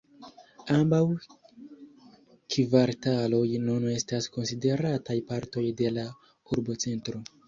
Ambaŭ kvartaloj nun estas konsiderataj partoj de la urbocentro.